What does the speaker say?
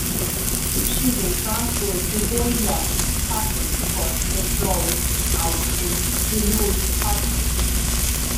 She then transferred to Holy Loch, Scotland, for patrols out of Dunoon, Scotland.